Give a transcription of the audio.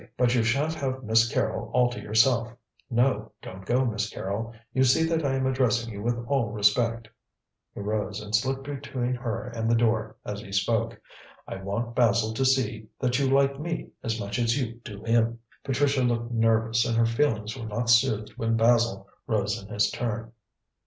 But you shan't have Miss Carrol all to yourself. No, don't go, Miss Carrol, you see that I am addressing you with all respect." He rose and slipped between her and the door as he spoke. "I want Basil to see that you like me as much as you do him." Patricia looked nervous and her feelings were not soothed when Basil rose in his turn.